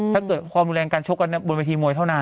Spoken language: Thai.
ถ้าเกิดความรุนแรงการชกกันบนเวทีมวยเท่านั้น